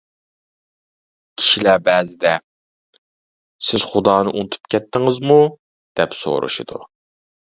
كىشىلەر بەزىدە: «سىز خۇدانى ئۇنتۇپ كەتتىڭىزمۇ؟ » دەپ سورىشىدۇ.